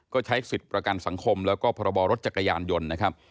ก็ใช้สิทธิ์ประกันสังคมแล้วก็พรบรถจักรยานยนต์นะครับ